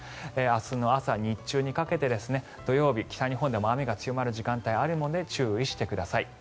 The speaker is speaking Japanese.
明日の朝、日中にかけて土曜日、北日本でも雨が強まる時間帯があるので注意してください。